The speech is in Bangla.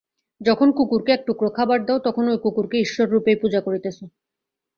যখন কুকুরকে একটুকরা খাবার দাও, তখন ঐ কুকুরকে ঈশ্বররূপেই পূজা করিতেছ।